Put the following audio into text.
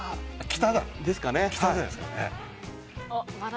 北ですかね。